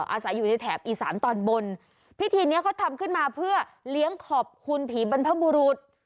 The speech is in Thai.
อาศัยอยู่ในแถบอีสานตอนบนพิธีเนี้ยเขาทำขึ้นมาเพื่อเลี้ยงขอบคุณผีบรรพบุรุษ